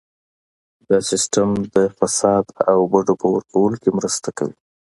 دا سیستم د فساد او بډو په ورکولو کې مرسته کوي.